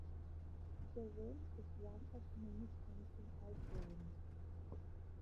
The rhyme is one of many counting-out rhymes.